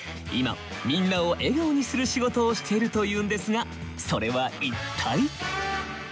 今みんなを笑顔にする仕事をしているというんですがそれは一体？